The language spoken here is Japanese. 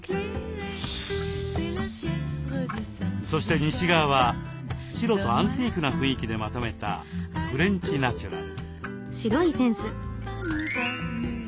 そして西側は白とアンティークな雰囲気でまとめたフレンチナチュラル。